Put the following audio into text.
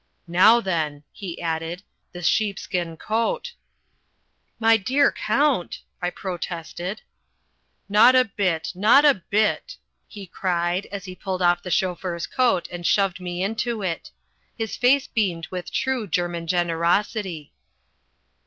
"Now then," he added, "this sheepskin coat " "My dear Count," I protested. "Not a bit, not a bit," he cried, as he pulled off the chauffeur's coat and shoved me into it. His face beamed with true German generosity.